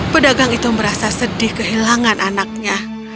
pedagang itu merasa sedih kehilangan anaknya